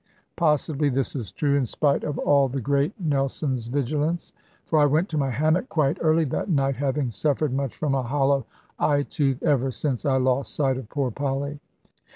Possibly this is true, in spite of all the great Nelson's vigilance; for I went to my hammock quite early that night, having suffered much from a hollow eye tooth ever since I lost sight of poor Polly.